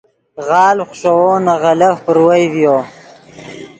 غالڤ خشوؤ نے غلف پروئے ڤیو